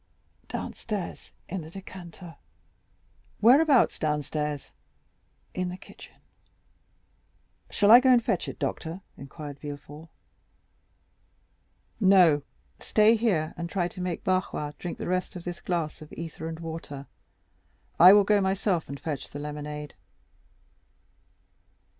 "Downstairs in the decanter." "Whereabouts downstairs?" "In the kitchen." "Shall I go and fetch it, doctor?" inquired Villefort. "No, stay here and try to make Barrois drink the rest of this glass of ether and water. I will go myself and fetch the lemonade."